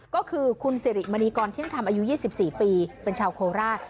ก็คือคุณซิริมณีกรที่ทำอายุ๒๔ปีบางชาวโคลราช